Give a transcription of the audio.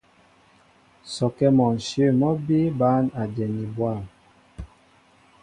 Sɔkɛ́ mɔ ǹshyə̂ mɔ́ bíí bǎn a dyɛni bwâm.